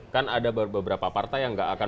kan ada beberapa partai yang nggak akan